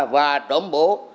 và trốn bố